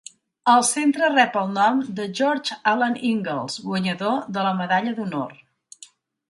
El centre rep el nom de George Alan Ingalls, guanyador de la medalla d'honor.